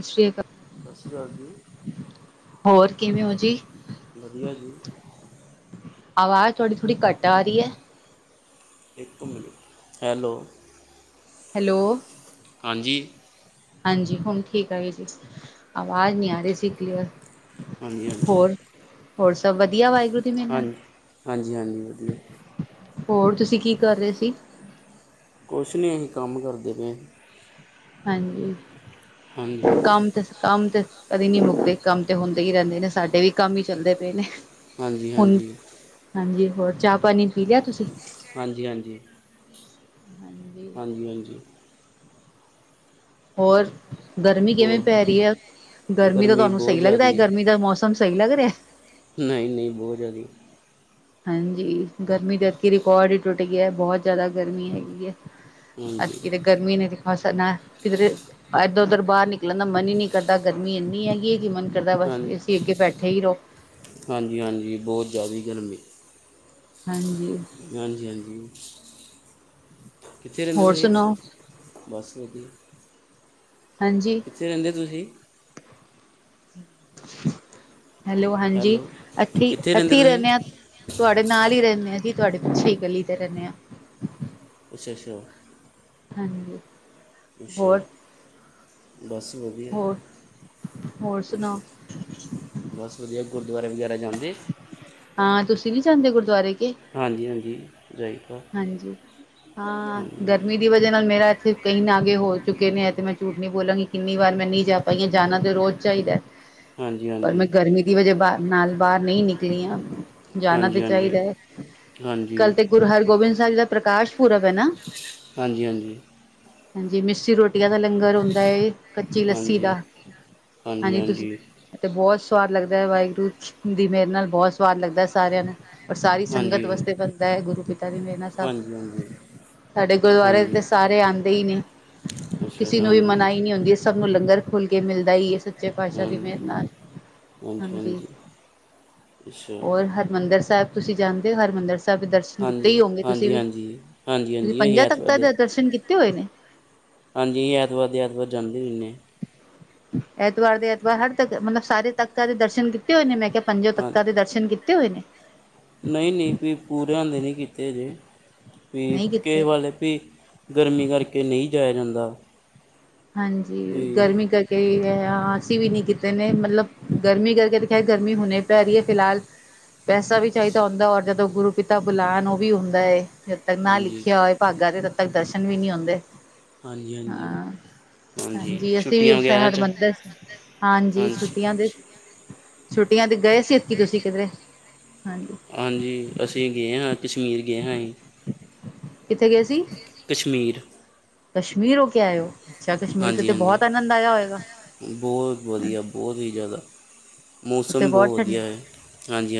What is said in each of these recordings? ਸਤਿ ਸ਼੍ਰੀ ਅਕਾਲ ਸਤਿ ਸ੍ਰੀ ਅਕਾਲ ਜੀ ਹੋਰ ਕਿਵੇਂ ਹੋ ਜੀ ਵਧੀਆ ਜੀ ਆਵਾਜ਼ ਥੋੜੀ ਥੋੜੀ ਘੱਟ ਆ ਰਹੀ ਹੈ ਇੱਕ ਹੈਲੋ ਹੈਲੋ ਹਾਂਜੀ ਹਾਂਜੀ, ਹੁਣ ਠੀਕ ਆ ਗਈ ਜੀ। ਆਵਾਜ਼ ਨਹੀਂ ਆ ਰਹੀ ਸੀ ਕਲੀਅਰ। ਹਾਂਜੀ ਹਾਂਜੀ‌। ਹੋਰ ਹੋਰ ਸਭ ਵਧੀਆ ਪਾਜੀ। ਹਾਂਜੀ, ਹਾਂਜੀ ਹਾਂਜੀ ਵਧੀਆ। ਹੋਰ ਤੁਸੀਂ ਕੀ ਕਰ ਰਹੇ ਸੀ? ਕੁਛ ਨਹੀਂ, ਅਸੀ ਕੰਮ ਕਰਦੇ ਪਏ। ਹਾਂਜੀ ਹਾਂਜੀ ਕੰਮ ਤੇ- ਕੰਮ ਤਾਂ ਕਦੇ ਨਹੀਂ ਮੁੱਕਦੇ। ਕੰਮ ਤਾ ਹੁੰਦੇ ਹੀ ਰਹਿੰਦੇ ਨੇ। ਸਾਡੇ ਵੀ ਕੰਮ ਹੀ ਚੱਲਦੇ ਪਏ ਨੇ। ਹਾਂਜੀ ਹੁਣ ਹਾਂਜੀ ਹਾਂਜੀ, ਹੋਰ ਚਾਹ ਪਾਣੀ ਪੀ ਲਿਆ ਤੁਸੀਂ? ਹਾਂਜੀ ਹਾਂਜੀ। ਹਾਂਜੀ ਹਾਂਜੀ। ਹੋਰ? ਗਰਮੀ ਕਿਵੇਂ ਹੋਰ ਪੈ ਰਹੀ ਬ- ਹੈ? ਗਰਮੀ ਤਾਂ ਤੁਹਾਨੂੰ ਸਹੀ ਲੱਗਦਾ ਗਰਮੀ ਦਾ? ਮੌਸਮ ਸਹੀ ਲੱਗ ਰਿਹਾ ਹੈ? ਨਹੀਂ-ਨਹੀਂ ਬਹੁਤ ਜ਼ਿਆਦਾ- ਹਾਂਜੀ, ਗਰਮੀ ਦਾ ਐਤਕੀ ਰਿਕਾਰਡ ਹੀ ਟੁੱਟ ਗਿਆ। ਬਹੁਤ ਜ਼ਿਆਦਾ ਗਰਮੀ ਹੈਗੀ ਐ। ਹਾਂਜੀ ਐਤਕੀ ਤੇ ਗਰਮੀ ਨੇ- ਹਾਂ, ਸਾਡਾ ਕਿਧਰੇ ਇੱਧਰ-ਉੱਧਰ ਬਾਹਰ ਨਿਕਲਣ ਦਾ ਮਨ ਹੀ ਨਹੀਂ ਕਰਦਾ। ਗਰਮੀ ਇੰਨੀ ਹੈਗੀ ਕਿ ਮੰਨ- ਹਾਂਜੀ ਹਾਂਜੀ ਹਾਂਜੀ, ਬਹੁਤ ਜ਼ਿਆਦੀ ਗਰਮੀ। ਹਾਂਜੀ ਹਾਂਜੀ ਹਾਂਜੀ। ਕਿੱਥੇ ਰਹਿੰਦੇ ਹੋਰ ਤੁਸੀਂ? ਸੁਣਾਓ ਬਸ ਵਧੀਆ- ਹਾਂਜੀ ਕਿੱਥੇ ਰਹਿੰਦੇ ਤੁਸੀਂ? [inaudible] ਹੈਲੋ, ਹਾਂਜੀ, ਹੈਲੋ ਏਥੀ ਕਿੱਥੇ ਰਹਿੰਦੇ ਏਥੀ ਤੁਸੀਂ ਰਹਿਣੇ ਆ, ਤੁਹਾਡੇ ਨਾਲ ਹੀ ਰਹਿਣੇ ਆ ਜੀ। ਤੁਹਾਡੇ ਪਿੱਛੇ ਹੀ ਗਲੀ ਤੇ ਰਹਿਣੇ ਆ। ਅੱਛਾ ਅੱਛਾ। ਹਾਂਜੀ। ਅੱਛਾ। ਹੋਰ ਬਸ ਵਧੀਆ ਜੀ। ਹੋਰ ਹੋਰ ਅੱਛਾ, ਸੁਣਾਓ ਬਸ ਵਧੀਆ। ਗੁਰੂਦੁਆਰੇ ਵਗੈਰਾ ਜਾਂਦੇ? ਹਾਂ ਤੁਸੀਂ ਵੀ ਜਾਂਦੇ ਓ ਗੁਰਦੁਆਰੇ? ਕੇ ਹਾਂਜੀ ਹਾਂਜੀ। ਜਾਈਦਾ ਹਾਂਜੀ ਹਾਂ, ਹਾਂਜੀ ਗਰਮੀ ਦੀ ਵਜ੍ਹਾ ਨਾਲ ਮੇਰਾ ਇੱਥੇ- ਕਈ ਨਾਗੇ ਹੋ ਚੁੱਕੇ ਨੇ। ਏ ਤੇ ਮੈਂ ਝੂਠ ਨਹੀਂ ਬੋਲਾਂਗੀ। ਕਿੰਨੀ ਵਾਰ ਮੈਂ ਨਹੀਂ ਜਾ ਪਾਈਆ। ਜਾਣਾ ਤਾਂ ਰੋਜ਼ ਚਾਹੀਦਾ- ਹਾਂਜੀ ਪਰ ਮੈਂ ਹਾਂਜੀ ਗਰਮੀ ਦੀ ਵਜ੍ਹਾ ਨਾਲ ਬਾਹਰ ਨਹੀਂ ਨਿਕਲੀ ਆ। ਜਾਣਾ ਹਾਂਜੀ ਤੇ ਹਾਂਜੀ ਚਾਹੀਦਾ ਐ। ਹਾਂਜੀ ਕੱਲ ਤੇ ਗੁਰੂ ਹਰਗੋਬਿੰਦ ਸਾਹਿਬ ਜੀ ਦਾ ਪ੍ਰਕਾਸ਼ ਪੁਰਬ ਐ ਨਾ? ਹਾਂਜੀ ਹਾਂਜੀ। ਹਾਂਜੀ, ਮਿੱਸੀ ਰੋਟੀਆਂ ਦਾ ਲੰਗਰ ਹੁੰਦਾ ਏ। ਕੱਚੀ ਲੱਸੀ ਦਾ ਹਾਂਜੀ ਹਾਂਜੀ ਹਾਂਜੀ ਤੁਸੀਂ ਬਹੁਤ- ਸਵਾਦ ਲੱਗਦਾ। ਵਾਹਿਗੁਰੂ ਦੀ ਮੇਹਰ ਨਾਲ ਬਹੁਤ ਸਵਾਦ ਲੱਗਦਾ ਸਾਰਿਆਂ ਨੂੰ। ਪਰ ਸਾਰੀ ਸੰਗਤ ਹਾਂਜੀ ਹਾਂਜੀ ਵਾਸਤੇ ਬਣਦਾ ਗੁਰੂ ਪਿਤਾ ਦੀ ਮਿਹਰ ਨਾ ਹਾਂਜੀ ਹਾਂਜੀ ਸਭ- ਸਾਡੇ ਗੁਰਦੁਆਰੇ ਤੇ ਹਾਂਜੀ ਸਾਰੇ ਆਂਦੇ ਈ ਨੇ। ਅੱਛਾ ਕਿਸੇ ਨੂੰ ਵੀ ਹਾਂਜੀ ਮਨਾਹੀ ਹਾਂਜੀ ਨੀ ਹੁੰਦੀ ਇਹ ਸਭ ਨੂੰ ਲੰਗਰ ਖੁਲ ਕੇ ਮਿਲਦਾ ਈ ਸ- ਸੱਚੇ ਪਾਤਸ਼ਾਹ ਦੀ ਹਾਂਜੀ ਮੇਹਰ ਨਾਲ, ਹਾਂਜੀ। ਅੱਛਾ ਹੋਰ, ਹਰਿਮੰਦਰ ਸਾਹਿਬ ਤੁਸੀਂ ਜਾਂਦੇ ਹੋ? ਹਰਿਮੰਦਰ ਸਾਹਿਬ ਦੇ ਦਰਸ਼ਨ ਕੀ ਤੇ ਹਾਂਜੀ ਹੀ ਹੋਓਗੇ ਤੁਸੀਂ ਹਾਂਜੀ ਵੀ। ਹਾਂਜੀ ਹਾਂਜੀ ਤੁਸੀਂ ਹਾਂਜੀ ਅਸੀਂ ਪੰਜਾਂ ਐਤਵਾਰ ਤਖ਼ਤ ਦੇ ਦਰਸ਼ਨ ਕੀਤੇ ਹੋਏ ਨੇ? ਹਾਂਜੀ, ਐਤਵਾਰ ਤੇ ਐਤਵਾਰ ਜਾਂਦੇ ਰਹਿਣੇ ਆ। ਐਤਵਾਰ ਦੇ ਐਤਵਾਰ ਹਰ ਤੱਖਤ, ਮਤਲਬ ਸਾਰੇ ਤਖ਼ਤਾਂ ਦੇ ਦਰਸ਼ਨ ਕੀਤੇ ਹੋਏ ਨੇ ਮੈਂ ਕਿਹਾ। ਪੰਜੋਂ ਹਾਂ ਹਾਂ ਤਖ਼ਤਾਂ ਦੇ ਦਰਸ਼ਨ ਕੀਤੇ ਹੋਏ ਨੇ? ਨਹੀਂ ਨਹੀਂ ਜੀ ਪੂਰਿਆਂ ਦੇ ਨੀ ਕੀਤੇ ਹਜੇ। ਵੇਖ ਨਹੀਂ ਕੇ ਕੀਤੇ ਵੱਲ ਵੀ ਗਰਮੀ ਕਰਕੇ ਨਹੀਂ ਜਾਇਆ ਜਾਂਦਾ। ਹਾਂਜੀ, ਵੀ ਗਰਮੀ ਕਰਕੇ ਵੀ ਐ ਅਸੀਂ ਵੀ ਨਹੀਂ ਕੀਤੇ ਨੇ। ਮਤਲਬ ਗਰਮੀ ਕਰਕੇ ਤਾਂ ਖੈਰ, ਗਰਮੀ ਹੋਣੀ ਪੈ ਰਹੀ ਹੈ ਫਿਲਹਾਲ ਪੈਸਾ ਵੀ ਚਾਹੀਦਾ ਅੱਛਾ ਹੁੰਦਾ ਔਰ ਜਦੋਂ ਗੁਰੂ ਪਿਤਾ ਬੁਲਾਨ ਉਹ ਵੀ ਹੁੰਦਾ ਏ। ਜਦ ਤੱਕ ਨਾ ਹਾਂਜੀ ਲਿਖਿਆ ਹੋਏ ਭਾਗਾਂ, ਤੇ ਤਦ ਤੱਕ ਦਰਸ਼ਨ ਵੀ ਨੀ ਹੁੰਦੇ। ਹਾਂਜੀ, ਹਾਂਜੀ। ਹਾਂ, ਹਾਂਜੀ, ਅਸੀਂ ਵੀ ਛੁੱਟੀਆਂ ਇਸ ਵਗੈਰਾ 'ਚ ਹਰਿਮੰਦਰ, ਹਾਂਜੀ, ਛੁੱਟੀਆਂ ਦੇ ਛੁੱਟੀਆਂ ਤੇ ਗਏ ਸੀ ਐਤਕੀ ਤੁਸੀਂ ਕਿਧਰੇ? ਹਾਂਜੀ। ਹਾਂਜੀ, ਅਸੀਂ ਗਏ ਆ ਕਸ਼ਮੀਰ ਗਏ ਆ ਹੀ। ਕਿੱਥੇ ਗਏ ਸੀ? ਕਸ਼ਮੀਰ। ਕਸ਼ਮੀਰ ਹੋ ਕੇ ਆਏ ਹੋ? ਅੱਛਾ ਕਸ਼ਮੀਰ ਹਾਂਜੀ ਤੇ ਹਾਂਜੀ ਬਹੁਤ ਆਨੰਦ ਆਇਆ ਹੋਏਗਾ। ਬਹੁਤ ਵਧੀਆ ਬਹੁਤ ਹੀ ਜ਼ਿਆਦਾ ਉੱਥੇ ਮੌਸਮ ਬਹੁਤ ਠੰਡ, ਵਧੀਆ ਹੈ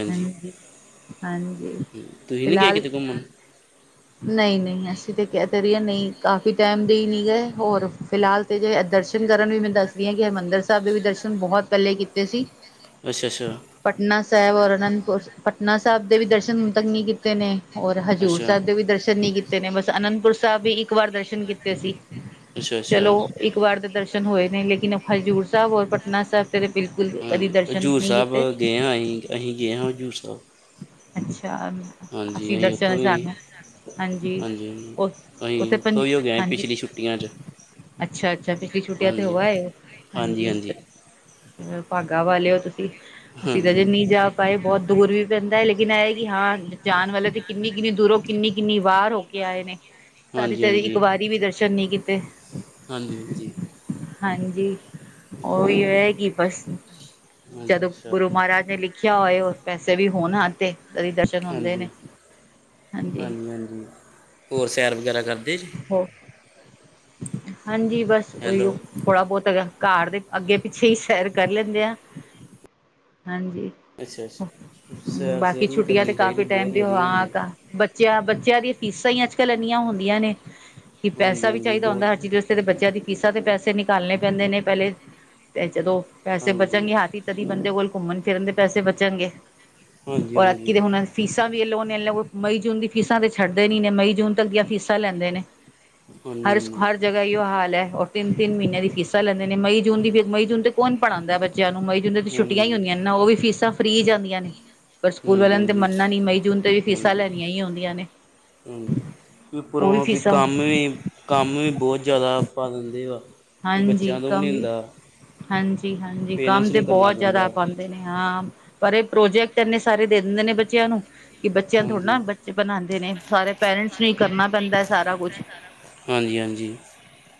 ਹਾਂਜੀ। ਹਾਂਜੀ। ਤੁਸੀਂ ਨਹੀਂ ਗਏ ਫਿਲਹਾਲ ਕਿਤੇ ਘੁੰਮਣ ਨਹੀਂ, ਨਹੀਂ, ਅਸੀਂ ਕਿਤੇ ਕਹਿ ਤੇ ਰਹੀ ਆ ਨਹੀਂ। ਕਾਫ਼ੀ ਟਾਈਮ ਦੇ ਹੀ ਨੀ ਗਏ, ਹੋਰ, ਫਿਲਹਾਲ ਤੇ ਜੇ ਦਰਸ਼ਨ ਕਰਨ ਵੀ ਮੈਨੂੰ ਦੱਸਦੀ ਕਿ ਹਰਿਮੰਦਰ ਸਾਹਿਬ ਦੇ ਵੀ ਦਰਸ਼ਨ ਬਹੁਤ ਪਹਿਲੇ ਕੀਤੇ ਸੀ ਅੱਛਾ ਅੱਛਾ ਪਟਨਾ ਸਾਹਿਬ ਔਰ ਅਨੰਦਪੁਰ, ਪਟਨਾ ਸਾਹਿਬ ਦੇ ਵੀ ਦਰਸ਼ਨ ਹੁਣ ਤੱਕ ਨਹੀਂ ਕੀਤੇ ਨੇ। ਔਰ ਹਜ਼ੂਰ ਅੱਛਾ ਸਾਹਿਬ ਦੇ ਵੀ ਦਰਸ਼ਨ ਨੀ ਕੀਤੇ ਨੇ, ਬਸ ਅਨੰਦਪੁਰ ਸਾਹਿਬ ਵੀ ਇੱਕ ਵਾਰ ਦਰਸ਼ਨ ਕੀਤੇ ਸੀ। ਅੱਛਾ ਅੱਛਾ ਚਲੋ, ਇੱਕ ਵਾਰ ਦੇ ਦਰਸ਼ਨ ਹੋਏ ਨੇ ਲੇਕਿਨ ਹਜ਼ੂਰ ਸਾਹਬ ਔਰ ਪਟਨਾ ਸਾਹਬ ਦੇ ਬਿਲਕੁਲ ਕਦੀ ਦਰ ਜ਼ੂਰ ਸਾਹਬ ਗਏ ਹਾਂ ਅਹੀ, ਅਹੀ ਗਏ ਹਾਂ ਜ਼ੂਰ ਸਾਹਬ। ਅੱਛਾ, ਅਸੀਂ ਉੱਥੋਂ ਦਰਸ਼ਨ ਵੀ ਸਾਨੂੰ ਹਾਂਜੀ। ਹਾਂਜੀ ਉ ਅਸੀਂ ਉੱਥੇ, ਉੱਥੋਂ ਹੀ ਹੋ ਗਏ ਹਾਂਜੀ। ਪਿਛਲੀ ਛੁੱਟੀਆਂ 'ਚ ਅੱਛਾ, ਅੱਛਾ, ਪਿਛਲੀ ਛੁੱਟੀਆਂ ਤੇ ਹੋ ਹਾਂਜੀ ਆਏ ਹੋ? ਹਾਂਜੀ। ਭਾਗਾ ਵਾਲੇ ਹੋ ਤੁਸੀਂ। ਅਸੀਂ ਤਾਂ ਜੇ ਹਾਂਜੀ ਨਹੀਂ ਜਾ ਪਾਏ ਬਹੁਤ ਦੂਰ ਵੀ ਪੈਂਦਾ ਲੇਕਿਨ ਇਹ ਕਿ ਹਾਂ ਜਾਣ ਵਾਲੇ ਤੇ ਕਿੰਨੀ-ਕਿੰਨੀ ਦੂਰੋਂ, ਕਿੰਨੀ-ਕਿੰਨੀ ਵਾਰ ਹੋ ਕੇ ਆਏ ਨੇ ਸਾਰੀ ਹਾਂਜੀ ਸਾਰੀ, ਤੇ ਇੱਕ ਹਾਂਜੀ ਵਾਰੀ ਵੀ ਦਰਸ਼ਨ ਨਹੀਂ ਕੀਤੇ। ਹਾਂਜੀ, ਹਾਂਜੀ। ਹਾਂਜੀ। ਉਹਹੀ ਹੋ ਕਿ ਬਸ ਹਾਂਜੀ ਜਦੋਂ ਅੱਛਾ ਗੁਰੂ ਮਹਾਰਾਜ ਨੇ ਲਿਖਿਆ ਹੋਏ, ਪੈਸੇ ਵੀ ਹੋਣ ਤੇ [unintelligible] ਦੀ ਦਰਸ਼ਨ ਹੁੰਦੇ ਨੇ, ਹਾਂਜੀ ਹਾਂਜੀ। ਹੋਰ ਸੈਰ ਵਗੈਰਾ ਕਰਦੇ ਜੇ? ਹੋ ਹਾਂਜੀ, ਬਸ ਉਹੀਓ ਹੈਲੋ ਥੋੜਾ ਬਹੁਤ ਹੈਗਾ ਘਰ ਦੇ ਅੱਗੇ-ਪਿੱਛੇ ਹੀ ਸੈਰ ਕਰ ਲੈਂਦੇ ਆ, ਹਾਂਜੀ। ਅੱਛਾ, ਅੱਛਾ। ਸੈਰ ਬਾਕੀ ਸੈਰ ਵੀ ਛੁੱਟੀਆਂ ਤੇ ਕਰਨੀ ਚਾਹੀਦੀ ਕਾਫੀ ਟਾਈਮ ਬਹੁਤ ਦੀ ਵਧੀਆ ਹੁੰਦੀ [unintelligible] ਬੱਚਿਆਂ, ਬੱਚਿਆਂ ਦੀ ਫੀਸਾਂ ਹੀ ਅੱਜ-ਕੱਲ ਇੰਨੀਆਂ ਹੁੰਦੀਆਂ ਨੇ, ਕਿ ਪੈਸਾ ਹਾਂਜੀ ਵੀ ਹਾਂਜੀ ਚਾਹੀਦਾ ਬਹੁਤ ਹੁੰਦਾ ਹਰ ਚੀਜ਼ ਵਸਤੇ ਤੇ ਬੱਚਿਆਂ ਦੀ ਫੀਸਾਂ ਦੇ ਪੈਸੇ ਨਿਕਾਲਣੇ ਪੈਂਦੇ ਨੇ ਪਹਿਲੇ, ਤੇ ਜਦੋਂ ਪੈਸੇ ਹਾਂਜੀ ਬਚਣ ਹਥ ਤਦੀ ਬੰਦੇ ਕੋਲ ਘੁੰਮਣ-ਫਿਰਨ ਦੇ ਪੈਸੇ ਬਚਣਗੇ। ਹਾਂਜੀ ਔਰ ਔਤਕੀ ਹਾਂਜੀ ਦੇ ਹੁਣ ਫੀਸਾਂ [unintelligible] ਮਈ, ਜੂਨ ਦੀ ਫੀਸਾਂ ਤੇ ਛੱਡਦੇ ਨੀ ਨੇ, ਮਈ-ਜੂਨ ਤੱਕ ਦੀਆਂ ਫੀਸਾਂ ਲੈਂਦੇ ਨੇ। ਹਾਂਜੀ ਹਰ, ਹਰ ਜਗ੍ਹਾ ਈ ਇਹੀਓ ਹਾਲ ਹੈ ਔਰ ਤਿੰਨ-ਤਿੰਨ ਮਹੀਨਿਆਂ ਦੀ ਫੀਸਾਂ ਲੈਂਦੇ ਨੇ, ਮਈ, ਜੂਨ ਦੀ ਫਿਰ, ਮਈ-ਜੂਨ ਨ ਤੇ ਕੋਨ ਪੜਾਂਦਾ ਬ ਚਿਆ ਨੂੰ, ਮਈ-ਜੂਨ ਦੀ ਛੁੱਟਿਆ ਹੀ ਹਾਂਜੀ ਹੁੰਦੀਆਂ ਨੇ ਉਹ ਵੀ ਫੀਸਾਂ ਫਰੀ ਜਾਂਦੀਆਂ ਨੇ। ਪਰ ਸਕੂਲ ਵਾਲਿਆਂ ਨੇ ਤਾਂ ਹਾਂਜੀ ਹਾਂਜੀ ਮੰਨਣਾ ਨਹੀਂ, ਮਈ-ਜੂਨ ਤੇ ਵੀ ਫੀਸਾਂ ਲੈਣੀਆਂ ਹੀ ਹੁੰਦੀਆ ਨੇ। ਹੂੰ, ਉਹ ਉਪਰੋਂ ਵੀ, ਫੀਸਾਂ ਕੰਮ ਵੀ, ਕੰਮ ਵੀ, ਬਹੁਤ ਜ਼ਿਆਦਾ ਪਾ ਦਿੰਦੇ ਵਾ। ਵੀ ਹਾਂਜੀ ਬੱਚਿਆਂ ਤੋਂ ਕੰਮ ਨਹੀਂ ਵੀ। ਹੁੰਦਾ ਹਾਂਜੀ-ਹਾਂਜੀ, ਕੰਮ ਪੇਰੈਂਟਸ ਤੇ ਨੂੰ ਕਰਨਾ ਬਹੁਤ ਜ਼ਿਆਦਾ ਪੈਂਦਾ ਪਾਂਦੇ ਨੇ ਹਾਂ ਪਰ ਇਹ ਪ੍ਰੋਜੈਕਟ ਇੰਨੇ ਸਾਰੇ ਦੇ ਦਿੰਦੇ ਨੇ ਬੱਚਿਆਂ ਨੂੰ ਕਿ ਬੱਚਿਆਂ ਥੋੜ੍ਹਾ ਹਾਂਜੀ ਨਾ, ਬੱਚੇ ਬਣਾਂਦੇ ਨੇ। ਸਾਰੇ ਪੇਰੈਂਟਸ ਨੂੰ ਹੀ ਕਰਨਾ ਪੈਂਦਾ ਹੈ ਸਾਰਾ ਕੁਛ। ਹਾਂਜੀ, ਹਾਂਜੀ।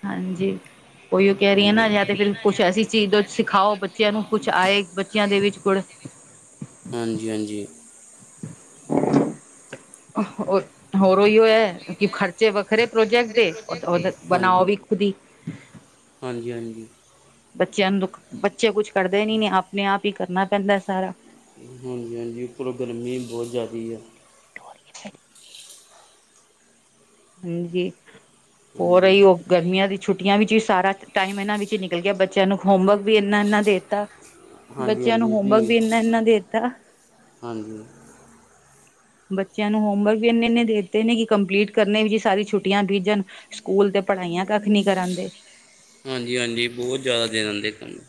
ਹਾਂਜੀ ਕੋਈ ਉਹ ਕਹਿ ਤੇ ਰਹੀ ਹੈ ਹਾਂਜੀ ਨਾ ਜਾਂ ਤੇ ਫਿਰ ਕੁਛ ਐਸੀ ਚੀਜ਼ ਸਿਖਾਓ ਬੱਚਿਆਂ ਨੂੰ ਕੁਛ ਆਏ ਬੱਚਿਆਂ ਦੇ ਵਿੱਚ ਕੁੜ ਕੁਛ ਹਾਂਜੀ ਹਾਂਜੀ ਹੋਰ ਉਹੀਓ ਹੈ ਕਿ ਖਰਚੇ ਵ ਖਰੇ ਪ੍ਰੋਜੈਕਟ ਦੇ ਬਣਾਓ ਹਾਂਜੀ ਵੀ ਖੁਦੀ ਹਾਂਜੀ ਬੱਚਿਆਂ ਨੂੰ ਦੁੱਖ ਬੱਚੇ ਕੁਛ ਕਰਦੇ ਨੀ ਆਪਣੇ ਆਪ ਹੀ ਕਰਨਾ ਪੈਂਦਾ ਸਾਰਾ ਹਾਂਜੀ ਹਾਂਜੀ ਉੱਪਲੋਂ ਗਰਮੀ ਬਹੁਤ ਜ਼ਿਆਦਾ ਆ [unintelligible] ਹਾਂਜੀ ਹੋ ਹਾਂਜੀ ਰਹੀ ਉਹ ਗਰਮੀਆਂ ਦੀ ਛੁੱਟੀ ਛੁਟੀਆਂ ਵਿੱਚ ਵੀ ਸਾਰਾ ਟਾਈਮ ਇਹਨਾਂ ਵਿੱਚ ਨਿਕਲ ਗਿਆ ਬੱਚਿਆਂ ਨੂੰ ਹੋਮਵਰਕ ਵੀ ਇੰਨਾ ਇਨਾ ਦੇ ਦਿੱਤਾ ਹਾਂਜੀ ਬੱਚਿਆਂ ਨੂੰ ਹਾਂਜੀ ਹੋਮਵਰਕ ਵੀ ਇਨਾ ਇਨਾ ਦੇ ਦਿੱਤਾ ਹਾਂਜੀ ਬੱਚਿਆਂ ਨੂੰ ਹੋਮਵਰਕ ਵੀ ਇੰਨੇ ਇੰਨੇ ਦੇਤੇ ਨੇ ਕਿ ਕੰਪਲੀਟ ਕਰਨੇ ਵੀ ਜੀ ਸਾਰੀ ਛੁੱਟੀਆਂ ਬੀਜਣ ਸਕੂਲ ਦੇ ਪੜ੍ਹਾਈਆਂ ਕੱਖ ਨਹੀਂ ਕਰਾਂਦੇ। ਹਾਂਜੀ ਹਾਂਜੀ, ਬਹੁਤ ਜ਼ਿਆਦਾ ਦੇ ਦਿੰਦੇ ਕੰਮ।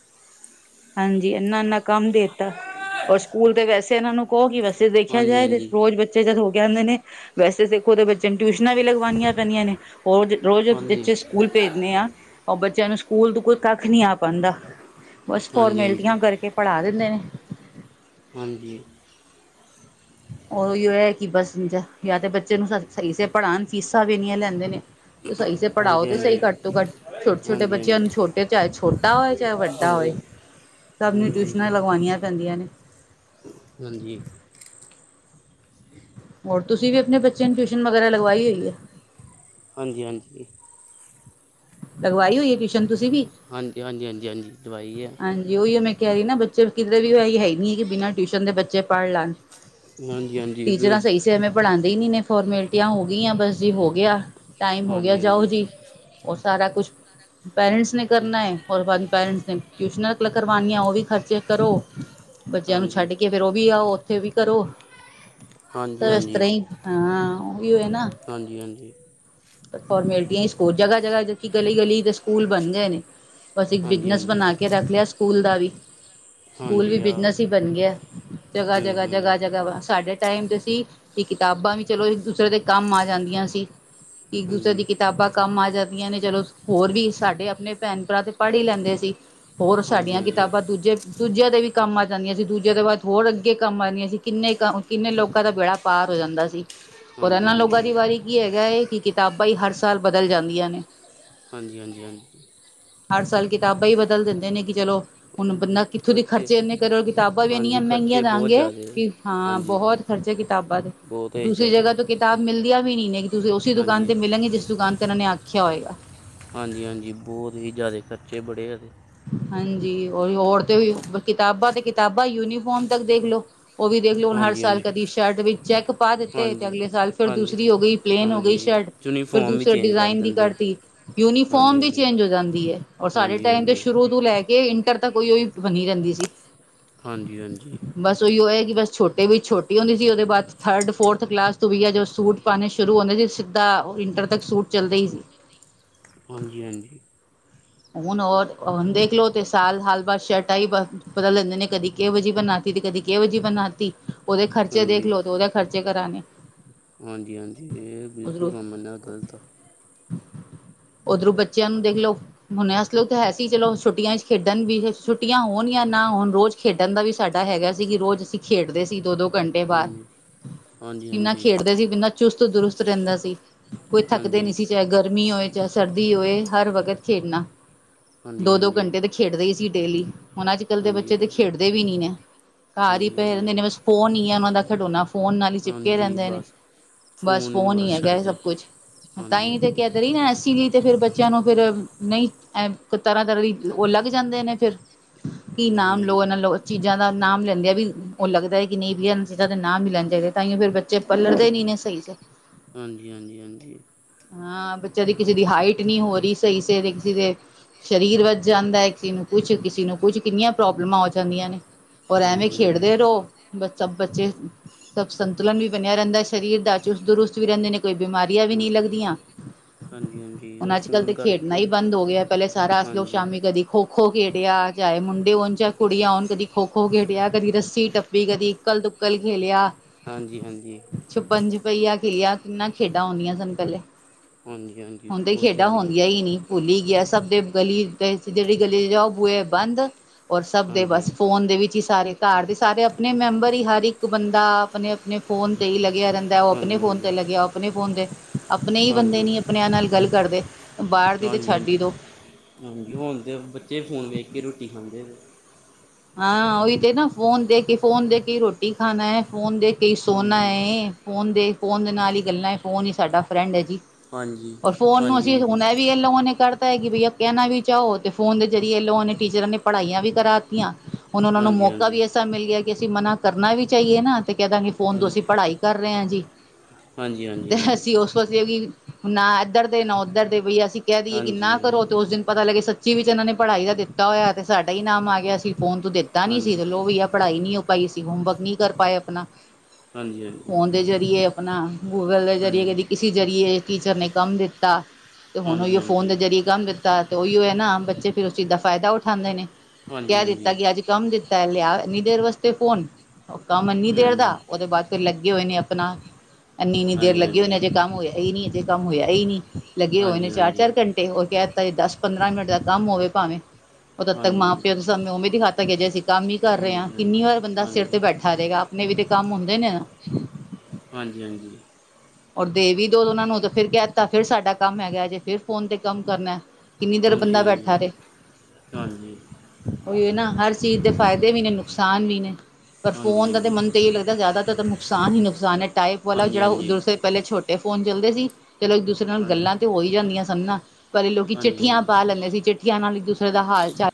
ਹਾਂਜੀ, ਇੰਨਾ ਇੰਨਾ ਕੰਮ ਦੇਤਾ ਔਰ ਸਕੂਲ ਤੇ ਵੈਸੇ ਇਹਨਾਂ ਨੂੰ ਕਹੋ ਕੀ ਵੈ ਜੇ ਦੇਖਿਆ ਹਾਂਜੀ ਜਾਏ ਤੇ ਹਾਂਜੀ ਰੋਜ਼ ਬੱਚੇ ਜਦ ਹੋ ਕੇ ਆਂਦੇ ਨੇ। ਵੈਸੇ ਦੇਖੋ ਤਾਂ ਬੱਚਿਆਂ ਨੂੰ ਟਿਊਸ਼ਨਾਂ ਵੀ ਲਗਵਾਣੀਆਂ ਪੈਂਦੀਆਂ ਨੇ। ਰੋਜ਼ ਰੋਜ਼ ਹਾਂਜੀ ਜਿੱਥੇ ਸਕੂਲ ਭੇਜਨੇ ਆ ਓ ਬੱ ਬੱਚਿਆਂ ਨੂੰ ਸਕੂਲ ਤੋਂ ਕੋਈ ਕੱਖ ਨਹੀਂ ਆ ਪਾਂਦਾ ਬਸ ਹਾਂਜੀ ਹਾਂਜੀ ਫੋਰਮੈਲਿਟੀਆਂ ਕਰਕੇ ਪੜ੍ਹਾ ਦਿੰਦੇ ਨੇ। ਹਾਂਜੀ, ਓਹੀ ਐ ਕਿ ਬਸ ਜਾਂ ਤੇ ਬੱਚੇ ਨੂੰ ਸਹੀ ਸੇ ਪੜ੍ਹਾਣ ਫੀਸਾਂ ਵੀ ਇੰਨੀਆਂ ਲੈਂਦੇ ਨੇ। ਸਹੀ ਸੀ ਪੜ੍ਹਾਓ ਹਾਂਜੀ ਤੇ ਸਹੀ ਹਾਂਜੀ ਘੱਟ ਤੋਂ ਘੱਟ ਛੋਟੇ ਛੋਟੇ ਹਾਂਜੀ ਬੱਚਿਆਂ ਨੂੰ ਛੋਟੇ ਚਾਹੇ ਛੋਟਾ ਹੋਏ ਚਾਹੇ ਵੱਡਾ ਹੋਏ। [inaudible] ਸਭ ਨੂੰ ਹਾਂਜੀ ਟਿਊਸ਼ਨਾਂ ਹਾਂਜੀ ਲਗਵਾਣੀਆ ਪੈਂਦੀਆਂ ਨੇ। ਹਾਂਜੀ, ਹੋਰ ਤੁਸੀਂ ਵੀ ਆਪਣੇ ਬੱਚਿਆਂ ਨੂੰ ਟਿਊਸ਼ਨ ਵਗੈਰਾ ਲਗਵਾਈ ਹੋਈ ਐ। ਹਾਂਜੀ ਹਾਂਜੀ, ਲਗਵਾਈ ਹੋਈ ਐ ਟਿਊਸ਼ਨ ਤੁਸੀਂ ਵੀ ਹਾਂਜੀ-ਹਾਂਜੀ, ਹਾਂਜੀ-ਹਾਂਜੀ, ਹਾਂਜੀ, ਉਹੀ ਮੈਂ ਕਹਿ ਰਹੀ ਨਾ ਬੱਚੇ ਕਿਧਰੇ ਵੀ ਇਹੀ ਹੈਈ ਨੀ ਕਿ ਬਿਨਾਂ ਟਿਊਸ਼ਨ ਦੇ ਬੱਚੇ ਪੜ੍ਹ ਲੈਣ। ਹਾਂਜੀ ਹਾਂਜੀ ਟੀਚਰਾਂ ਬ- ਸਹੀ ਸੀ ਐਵੇਂ ਪੜ੍ਹਾਂਦੇ ਈ ਨੀ ਨੇ ਫੋਰਮੈਲਿਟੀਆਂ ਹੋ ਗਈਆਂ ਬਸ ਜੀ ਹੋ ਗਿਆ ਟਾਈਮ ਹੋ ਗਿਆ ਹਾਂਜੀ ਜਾਓ ਹਾਂਜੀ ਜੀ। ਉਹ ਸਾਰਾ ਕੁਛ ਪੈਰੈਂਟਸ ਨੇ ਕਰਨਾ ਔਰ ਬਾਅਦ ਪੈਰੈਂਟਸ ਨੇ ਟਿਊਸ਼ਨਾਂ ਕਰਵਾਣੀਆਂ ਉਹ ਵੀ ਖਰਚੇ ਕਰੋ। ਬੱਚਿਆਂ ਨੂੰ ਹਾਂਜੀ ਛੱਡ ਕੇ ਫੇਰ ਉਹ ਵੀ ਆਓ। ਉੱਥੇ ਵੀ ਕਰੋ। ਹਾਂਜੀ ਸਭ ਏਸ ਤਰ੍ਹਾਂ ਹਾਂਜੀ ਹੀ ਹਾਂ ਓਹੀ ਆ ਨਾ, ਹਾਂਜੀ ਹਾਂਜੀ ਫੋਰਮੈਲਿਟੀਆਂ [unintelligible] ਜਗ੍ਹਾ ਜਗ੍ਹਾ ਜਦ ਕੀ ਗਲੀ ਗਲੀ ਦੇ ਸਕੂਲ ਬਣ ਗਏ ਨੇ। ਬਸ ਇੱਕ ਹਾਂਜੀ ਬਿਜਨਸ ਹਾਂਜੀ ਬਣਾ ਕੇ ਰੱਖ ਲਿਆ ਸਕੂਲ ਦਾ ਵੀ। ਸਕੂਲ ਵੀ ਹਾਂਜੀ ਆਹੋ ਬਿਜਨਸ ਹੀ ਬਣ ਗਿਆ ਜਗ੍ਹਾ ਹੂੰ ਜਗ੍ਹਾ ਹੂੰ ਜਗ੍ਹਾ ਜਗ੍ਹਾ ਸਾਡੇ ਟਾਈਮ ਤੇ ਸੀ ਵੀ ਕਿਤਾਬਾਂ ਵੀ ਚਲੋ ਇੱਕ ਦੂਸਰੇ ਦੇ ਕੰਮ ਆ ਜਾਂਦੀਆਂ ਸੀ ਇੱਕ ਦੂਸਰੇ ਹਾਂਜੀ ਦੀ ਕਿਤਾਬਾਂ ਕੰਮ ਆ ਜਾਂ ਆਂ ਨੇ ਚਲੋ ਹੋਰ ਵੀ ਸਾਡੇ ਆਪਣੇ ਭੈਣ ਭਰਾ ਤੇ ਪੜ੍ਹ ਹੀ ਲੈਂਦੇ ਸੀ। ਹੋਰ ਹਾਂਜੀ ਸਾਡੀਆਂ ਹਾਂਜੀ ਕਿਤਾਬਾਂ ਦੂਜੇ ਦੂਜਿਆਂ ਤੇ ਵੀ ਕੰਮ ਆ ਜਾਂਦੀਆਂ ਸੀ ਦੂਜਿਆਂ ਦੇ ਬਾਅਦ ਹੋਰ ਅੱਗੇ ਕੰਮ ਆ ਜਾਂਦੀਆਂ ਸੀ ਕਿੰਨੇ ਕ ਕਿੰਨੇ ਲੋਕਾਂ ਦਾ ਬੇੜਾ ਪਾਰ ਹੋਇਆ। ਹੋ ਜਾਂਦਾ ਸੀ। ਪਰ ਹਾਂਜੀ ਹਾਂਜੀ ਇਹਨਾਂ ਲੋਕਾਂ ਦੀ ਹਾਂਜੀ ਵਾਰੀ ਕੀ ਹੈਗਾ ਹੈ ਕਿ ਕਿਤਾਬਾਂ ਹੀ ਹਰ ਸਾਲ ਬਦਲ ਜਾਂਦੀਆਂ ਨੇ। ਹਾਂਜੀ-ਹਾਂਜੀ, ਹਾਂਜੀ ਹਰ ਸਾਲ ਕਿਤਾਬਾਂ ਹੀ ਬਦਲ ਦਿੰਦੇ ਨੇ ਕਿ ਚਲੋ। ਹੁਣ ਬੰਦਾ ਕਿੱਥੋਂ ਦੇ ਖਰਚੇ ਇੰਨੇ ਕਰੋ ਕਿਤਾਬਾਂ ਵੀ ਇੰਨੀਆਂ ਹਾਂਜੀ ਮਹਿੰਗੀਆਂ ਖਰਚੇ ਬਹੁਤ ਦਾਂਗੇ ਜ਼ਿਆਦੇ ਆ। ਕਿ ਹਾਂ ਹਾਂਜੀ ਬਹੁਤ ਕਿਤਾਬਾਂ ਤੇ ਬਹੁਤ ਹੀ ਦੂਸਰੀ ਜ਼ਿਆਦੇ ਜਗ੍ਹਾ ਤੋਂ ਕਿਤਾਬ ਮਿਲਦੀਆਂ। ਵੀ ਨੀ ਨੇ ਕਿ ਤੁਸੀਂ ਉਸੇ ਦੁਕਾਨ ਹਾਂਜੀ ਤੇ ਮਿਲਾਂਗੇ ਜਿਸ ਦੁਕਾਨ ਤੇ ਇਹਨਾਂ ਨੇ ਆਖਿਆ ਹੋਏਗਾ। ਹਾਂਜੀ-ਹਾਂਜੀ, ਬਹੁਤ ਹੀ ਜ਼ਿਆਦਾ ਖਰਚੇ ਬੜੇ ਹੈਗੇ। ਹਾਂਜੀ, ਹੋਰ ਤੇ ਕਿਤਾਬਾਂ ਤੇ ਕਿਤਾਬਾਂ ਯੂਨੀਫੋਮ ਤੱਕ ਦੇਖਲੋ। ਉਹ ਵੀ ਦੇਖ ਲਓ ਹੁਣ ਹਰ ਹਾਂਜੀ ਸਾਲ ਹਾਂਜੀ ਕਦੀ ਸ਼ਰਟ ਦੇ ਵਿੱਚ ਚੈੱਕ ਪਾ ਦਿੱਤੇ ਤੇ ਹਾਂਜੀ ਅਗਲੇ ਸਾਲ ਫਿਰ ਹਾਂਜੀ ਦੂਸਰੀ ਹੋ ਗਈ ਪਲੇਨ ਹੋ ਹਾਂਜੀ ਗਈ ਸ਼ਰਟ ਫਿਰ ਯੂਨੀਫਾਰਮ ਵੀ ਦੂਸਰੇ ਚੇਂਜ ਕਰ ਡਿਜ਼ਾਇਨ ਦੀ ਦਿੰਦੇ ਕਰਤੀ ਹਾਂਜੀ ਯੂਨੀਫੋਰਮ ਵੀ ਹਾਂਜੀ ਚੇਂਜ ਹੋ ਜਾਂਦੀ ਐ ਔਰ ਸਾਡੇ ਹਾਂਜੀ ਟਾਈਮ ਤੇ ਹਾਂਜੀ ਸ਼ੁਰੂ ਲੈ ਕੇ ਇੰਟਰ ਤਾਂ ਕੋਈ ਉਹੀ ਬਣੀ ਰਹਿੰਦੀ ਸੀ। ਹਾਂਜੀ-ਹਾਂਜੀ, ਬਸ ਉਹੀ ਉਹ ਹੈ ਬਸ ਛੋਟੇ ਵੀ ਛੋਟੀ ਹੁੰਦੀ ਸੀ ਉਹਦੇ ਬਾਅਦ ਥਰਡ ਫੋਰਥ ਕਲਾਸ ਤੋਂ ਵੀ ਆ ਜੋ ਸੂਟ ਪਾਉਣੇ ਸ਼ੁਰੂ ਹੁੰਦੇ ਸੀ ਸਿੱਧਾ ਇੰਟਰ ਤੱਕ ਸੂਟ ਚੱਲਦੇ ਹੀ ਸੀ। ਹਾਂਜੀ-ਹਾਂਜੀ, ਹੁਣ ਹੋਰ ਹੁਣ ਦੇਖਲੋ ਤੇ ਸਾਲ ਹਾਲ ਬਾਅਦ ਸ਼ਰਟਾਂ ਹੀ ਬਦਲ ਲੈਂਦੇ ਨੇ ਕਦੀ ਕਿਹੋ ਜੀ ਬਣਾ ਤੀ, ਕਦੀ ਕਦੀ ਕਿਹੋ ਜੀ ਬਣਾ ਤੀ ਉਹਦੇ ਖਰਚੇ ਦੇਖ ਲੋ ਤੇ ਉਹਦੇ ਖਰਚੇ ਕਰਾਣੇ। ਹਾਂਜੀ-ਹਾਂਜੀ ਇਹ ਬਿਲਕੁਲ ਉਧਰੋਂ ਕੰਮ ਨਾ ਗ਼ਲਤ ਆ। ਉਧਰੋਂ ਬੱਚਿਆਂ ਨੂੰ ਦੇਖ ਲਓ। ਹੁਨ ਐਸ ਲਈ ਤੋਂ ਹੈ ਸੀ ਚਲੋ ਛੁੱਟੀਆਂ ਚ ਖੇਡਣ ਵੀ ਛੁੱਟੀਆਂ ਹੋਨ ਯਾ ਨਾ ਹੋਨ ਰੋਜ਼ ਖੇਡਣ ਦਾ ਵੀ ਸਾਡਾ ਹੈ। ਹੈਗਾ ਸੀ ਕਿ ਰੋਜ਼ ਅਸੀਂ ਖੇਡਦੇ ਸੀ ਦੋ-ਦੋ ਘੰਟੇ ਬਾਹਰ, ਹਾਂਜੀ ਹਾਂਜੀ ਕਿੰਨਾ ਹਾਂਜੀ ਖੇਡਦੇ ਸੀ, ਕਿੰਨਾ ਚੁਸਤ ਦੁਰੁਸਤ ਰਹਿੰਦਾ ਸੀ। ਕੋਈ ਥੱਕਦੇ ਨਹੀਂ ਹਾਂਜੀ ਸੀ, ਚਾਹੇ ਗਰਮੀ ਹੋਏ, ਚਾਹੇ ਸਰਦੀ ਹੋਏ ਹਰ ਵਕਤ ਖੇਡਨਾ। ਹਾਂਜੀ ਹਾਂਜੀ ਦੋ-ਦੋ ਘੰਟੇ ਤੇ ਖੇਡਦੇ ਹੀ ਸੀ ਡੇਲੀ, ਹੁਨ ਅੱਜ ਕੱਲ੍ਹ ਦੇ ਹਾਂਜੀ ਬੱਚੇ ਤੇ ਖੇਡਦੇ ਵੀ ਨੀ ਨੇ। ਘਰ ਹੀ ਹਾਂਜੀ ਪਏ ਰਹਿੰਦੇ ਨੇ ਹਾਂਜੀ ਬਸ ਫੋਨ ਹੀ ਆ ਉਹਨਾਂ ਦਾ ਖਿਡੌਨਾ, ਫੋਨ ਨਾਲ ਹੀ ਚਿਪਕੇ ਹਾਂਜੀ ਰਹਿੰਦੇ ਨੇ। ਬਸ ਬਸ ਫੋਨ ਹੀ ਹੈਗਾ ਹੈ ਸਭ ਕੁਛ, ਤਾਂ ਹਾਂਜੀ ਹੀ ਤੇ ਹਾਂਜੀ ਕਹਿ ਤੇ ਰਹੀ ਆਂ ਅਸੀ ਵੀ ਤੇ ਫੇਰ ਬੱਚਿਆਂ ਨੂੰ ਫੇਰ ਨਹੀਂ ਤਰ੍ਹਾਂ-ਤਰ੍ਹਾਂ ਦੀ ਉਹ ਲੱਗ ਜਾਂਦੇ ਨੇ ਫੇਰ ਕੀ ਹਾਂਜੀ ਨਾਮ ਲੋ ਹਾਂਜੀ ਨਾ ਲੋ, ਚੀਜ਼ਾਂ ਦਾ ਨਾਮ ਲੈਂਦੇ ਐ ਵੀ ਉਹ ਲੱਗਦਾ ਕਿ ਨਹੀਂ ਵੀ ਇਹਨਾਂ ਚੀਜ਼ਾਂ ਦੇ ਨਾਮ ਨਹੀ ਲੇਂਦੇ ਹੇਗੇ, ਤਾਂਈ ਫੇਰ ਬੱਚੇ ਪਲਰਦੇ ਨੀ ਨੇ ਸਹੀ ਸੇਰ। ਹਾਂਜੀ, ਹਾਂਜੀ, ਹਾਂਜੀ। ਹਾਂ ਬੱਚਿਆਂ ਦੀ ਕਿਸੇ ਦੀ ਹਾਈਟ ਨਹੀਂ ਹੋ ਰਹੀ ਸਹੀ ਸੇ ਤੇ ਕਿਸੇ ਦੇ ਸਰੀਰ ਵੱਧ ਜਾਂਦਾ ਹੈ, ਕਿਸੇ ਨੂੰ ਕੁਛ, ਕਿਸੇ ਨੂੰ ਕੁਛ ਕਿੰਨੀਆਂ ਪ੍ਰੋਬਲਮਾਂ ਹੋ ਜਾਂਦੀਆਂ ਨੇ। ਔਰ ਐਵੇਂ ਹਾਂਜੀ ਹਾਂਜੀ ਖੇਡਦੇ ਰਹੋ ਬੱਚਾ ਬੱਚੇ ਸਭ ਸੰਤੁਲਨ ਵੀ ਬਨੇਯਾ ਰਹਿੰਦਾ ਸਰੀਰ ਦਾ, ਚੁਸਤ ਦੁਰੁਸਤ ਵੀ ਰਹਿੰਦੇ ਨੇ। ਕੋਈ ਬਿਮਾਰੀਆਂ ਵੀ ਹਾਂ- ਨਹੀਂ ਲੱਗਦੀਆਂ ਹਾਂਜੀ ਹਾਂਜੀ ਉਹ ਹੁਨ ਅੱਜ ਕੱਲ੍ਹ ਫੋਨ ਦੇ ਹੁਨ ਕਰਕੇ ਐ ਈ ਬੰਦ ਹੋ ਗਿਆ, ਪਹਿਲੇ ਸਾਰਾ ਅਸੀਂ ਲੋਕ ਹਾਂਜੀ ਸ਼ਾਮੀ ਕਦੀ ਖੋ ਖੋ ਖੇਡਿਆ ਚਾਹੇ ਮੁੰਡੇ ਹੋਨ, ਚਾਹੇ ਕੁੜੀਆਂ ਹੋਨ ਕਦੀ ਖੋ-ਖੋ ਖੇਡਿਆ, ਕਦੀ ਰੱਸੀ ਟੱਪੀ, ਕਦੀ ਇਕੱਲ ਦ ਉਕਲ ਖੇਲੇਆ। ਹਾਂਜੀ-ਹਾਂਜੀ। ਪਹੀਆ ਖੇਲੀਆਂ ਕਿੰਨਾ ਖੇਡਾਂ ਹੁੰਂਦੀਆਂ ਸਨ ਪਹਿਲੇ। ਹਾਂਜੀ-ਹਾਂਜੀ, ਬਹੁਤ ਜ਼ਿਆਦੀਆ। ਯਹੀ ਨਹੀਂ ਭੁੱਲ ਹੀ ਗਿਆ ਸਭ ਦੇ ਗਲੀ [unintelligible] ਜਿਹੜੀ ਗਲੀ ਚ ਜਾਓ, ਬੂਏ ਬੰਦ ਔਰ ਸਭ ਦੇ ਹਾਂਜੀ ਬਸ ਫੋਨ ਦੇ ਵਿੱਚ ਹੀ ਸਾਰੇ ਘਰ ਦੇ ਸਾਰੇ ਅਪਨੇ ਮੈਂਬਰ ਹੀ ਹਰ ਇੱਕ ਬੰਦਾ ਅਪਨੇ-ਅਪਨੇ ਫੋਨ ਤੇ ਹੀ ਲੱ ਲੱਗਿਆ ਰਹਿੰਦਾ ਉਹ ਆਪਨੇ ਹਾਂਜੀ ਫੋਨ ਹਾਂਜੀ ਤੇ ਲੱਗਿਆ, ਆਪਨੇ ਫੋਨ ਤੇ ਅਪਨੇ ਬੰਦੇ ਨੀ ਅਪਨੇਆਂ ਨਾਲ ਗੱਲ ਕਰਦੇ। ਬਾਹਰ ਦੀ ਤੇ ਛੱਡ ਹੀ ਹਾਂਜੀ-ਹਾਂਜੀ, ਦੋ ਹਾਜੀਂ ਹੁਨ ਤੇ ਬੱਚੇ ਫੋਨ ਵੇਖ ਕੇ ਰੋਟੀ ਖਾਂਦੇ ਜੇ। ਹਾਂ ਉਹੀ ਤੇ ਨਾ ਫੋਨ ਦੇ ਕੇ, ਫੋਨ ਦੇ ਕੇ ਰੋਟੀ ਖਾਣਾ ਐ, ਫੋਨ ਦੇਖ ਕਈ ਸੋਨਾ ਹਾਂਜੀ ਏ, ਫੋਨ ਦੇ, ਫੋਨ ਦੇ ਨਾਲ ਹੀ ਗੱਲਾਂ ਐ, ਫੋਨ ਹੀ ਸਾਡਾ ਫਰੈਂਡ ਹੈ ਜੀ। ਹਾਂਜੀ ਔਰ ਫੋਨ ਨੂੰ ਹਾਂਜੀ ਹਾਂਜੀ ਅਸੀਂ ਹੁਨ ਇਹ ਵੀ ਲੋਗੋ ਨੇ ਕਰ ਪਤਾ ਹੈ ਕਿ ਬਈਆ ਕਹਿਨਾ ਵੀ ਚਾਹੋ ਤੇ ਫੋਨ ਦੇ ਜ਼ਰੀਏ ਲੋਗੋ ਨੇ ਟੀਚਰਾਂ ਨੇ ਪੜ੍ਹਾਈਆਂ ਵੀ ਕਰਾਤੀਆਂ। ਹੁਨ ਉਹਨਾਂ ਨੂੰ ਮੌਕਾ ਹਾਂਜੀ ਹਾਂਜੀ ਵੀ ਐਸਾ ਮਿਲ ਗਿਆ ਕਿ ਅਸੀਂ ਮਨਾ ਕਰਨਾ ਵੀ ਚਾਹੀਏ ਨਾ ਤੇ ਕਹਿ ਦਾਂਗੇ ਫੋਨ ਤੋਂ ਅਸੀਂ ਹਾਂਜੀ ਪੜ੍ਹਾਈ ਕਰ ਰਹੇ ਆਂ ਜੀ ਹਾਂਜੀ ਤੇ ਹਾਂਜੀ ਅਸੀਂ ਉਸ ਪਾਸੇ [unintelligible] ਨਾ ਇੱਧਰ ਦੇ ਨਾ ਉੱਧਰ ਦੇ ਬਈ ਅਸੀਂ ਕਹਿ ਦੇਈਏ ਕਿੰਨਾ ਹਾਂਜੀ ਕਰੋ ਤੇ ਉਸ ਦਿਨ ਪਤਾ ਲੱਗੇ ਸ ਜਿਵੇ ਵਿੱਚ ਇਹਨਾਂ ਨੇ ਪੜ੍ਹਾਈ ਦਾ ਦਿੱਤਾ ਹੋਇਆ ਤੇ ਸਾਡਾ ਹੀ ਨਾਮ ਆ ਗਿਆ ਅਸੀਂ ਫੋਨ ਤੂੰ ਦਿੱਤਾ ਨੀ ਹਾਂਜੀ ਸੀ ਹਾਂਜੀ ਤੇ ਲੋ ਵੀ ਆ ਪੜ੍ਹਾਈ ਨੀ ਭਾਈ ਅਸੀਂ ਹੋਮਵਰਕ ਨਹੀਂ ਕਰ ਪਾਏ ਅਪਨਾ। ਹਾਂਜੀ-ਹਾਂਜੀ। ਅਪਨਾ ਗੂਗਲ ਦੇ ਜਰੀਏ ਕਦੀ ਕਿਸੇ ਜ਼ਰੀਏ ਟੀਚਰ ਨੇ ਕੰਮ ਦਿੱਤਾ। ਤੇ ਹੁਨ ਅਇਓ ਫੋਨ ਦੇ ਜਰੀਏ ਕੰਮ ਦਿੱਤਾ ਤੇ ਉਹੀਓ ਹੈ ਨਾ ਬੱਚੇ ਫੇਰ ਉਸ ਚੀਜ਼ ਦਾ ਫਾਇਦਾ ਉਠਾਉਂਦੇ ਨੇ। ਹਾਂਜੀ-ਹਾਂਜੀ। ਤਾ ਕਿ ਅੱਜ ਕੰਮ ਦਿੱਤਾ, ਲਿਆ ਇੰਨੀ ਦੇਰ ਵਾਸਤੇ ਫੋਨ। ਉਹ ਕੰਮ ਇੰਨੀ ਦੇਰ ਦਾ, ਹਾਂਜੀ ਉਹਦੇ ਬਾਅਦ ਫਿਰ ਲੱਗੇ ਹੋਏ ਨੇ ਅਪਨਾ ਏਨੀ-ਏਨੀ ਦੇਰ ਹਾਂਜੀ ਲੱਗੀ ਹੋਏ ਨੇ ਹਾਂਜੀ ਅਜੇ ਕੰਮ ਹੋਇਆ ਹੀ ਨੀ, ਅਜੇ ਕੰਮ ਹੋਇਆ ਹੀ ਨੀ। ਹਾਂਜੀ ਲੱਗੇ ਹੋਏ ਨੇ ਚਾਰ ਚਾਰ ਹਾਂਜੀ ਘੰਟੇ ਉਹ ਕਹਿ ਦਿੱਤਾ ਜੀ ਦਸ ਪੰਦਰਾਂ ਮਿੰਟ ਦਾ ਕੰਮ ਹੋਵੇ ਭਾਵੇਂ। ਉਦ ਤੱਕ ਮਾਂ ਹਾਂਜੀ ਪਿਓ ਤੇ ਸਾਨੂੰ ਉਵੇਂ ਦਿਖਾਤਾ ਗਿਆ ਜੇ ਅਸੀਂ ਕੰਮ ਹੀ ਕਰ ਹੇ ਹਾਂ ਹਾਂਜੀ ਕਿੰਨੀ ਹਾਂਜੀ ਵਾਰ ਬੰਦਾ ਸਿਰ ਹਾਂਜੀ ਤੇ ਬੈਠਾ ਰਹੇਗਾ। ਅਪਨੇ ਵੀ ਤੇ ਕੰਮ ਹੁੰਦੇ ਨ। ਹਾਂਜੀ ਔਰ ਦੇ ਵੀ ਦੋ ਉਹਨਾ ਨੂੰ ਤੇ ਫਿਰ ਕਹਿ ਦਿੱਤਾ ਫਿਰ ਸਾਡਾ ਕੰਮ ਹੈਗਾ ਜੇ ਫਿਰ ਫੋਨ ਤੇ ਕੰਮ ਕਰਨਾ ਐ। ਕਿੰਨੀ ਦੇਰ ਹਾਂਜੀ ਬੰਦਾ ਬੈਠਾ ਹਾਂਜੀ ਰੇ, ਹਾਂਜੀ ਉਹੀ ਨਾ ਹਰ ਚੀਜ਼ ਦੇ ਫਾਇਦੇ ਵੀ ਨੇ ਨੁਕਸਾਨ ਵੀ ਨੇ ਪਰ ਹਾਂਜੀ ਹਾਂਜੀ ਹਾਂਜੀ ਫੋਨ ਦਾ ਤੇ ਹਾਂਜੀ ਮਨ ਤਾਂ ਇਹ ਲੱਗਦਾ ਜ਼ਿਆਦਾ ਤਰ ਤਾਂ, ਨੁਕਸਾਨ ਹੀ ਨੁਕਸਾਨ ਹੈ ਟਾਈਪ ਵਾਲਾ ਜੇੜਾ ਓਹ ਦੂਸਰੇ ਪਹਿਲੇ ਛੋਟੇ ਫੋਨ ਚੱਲਦੇ ਸੀ। ਚਲੋ ਇੱਕ ਦੂਸਰੇ ਨਾਲ ਹਾਂਜੀ ਗੱਲਾਂ ਤੇ ਹੋ ਈ ਜਾਂਦੀਆਂ ਸਾਨ ਨਾ ਪਰ ਇਹ ਲੋਕੀ ਹਾਂਜੀ ਚਿੱਠੀਆਂ ਹਾਂਜੀ ਪਾ ਲੈਂਦੇ ਸੀ ਚਿੱਠੀਆਂ ਨਾਲ [unintelligible] [unintelligible] ਦਾ ਹਾਲ ਚਾਲ,